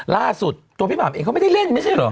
ล่าสุดตัวพี่หม่ำเองเขาไม่ได้เล่นไม่ใช่เหรอ